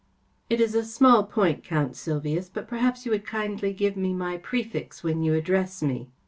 "It is a small point, Count Sylvius, but perhaps you would kindly give me my prefix when you address me.